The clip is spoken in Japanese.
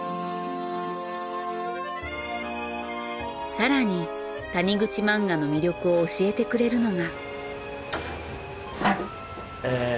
更に谷口漫画の魅力を教えてくれるのが。